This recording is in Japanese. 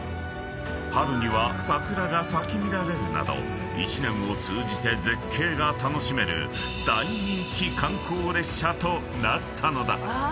［春には桜が咲き乱れるなど一年を通じて絶景が楽しめる大人気観光列車となったのだ］